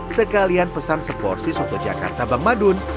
sekalian pesan seporsi soto jakarta bang madun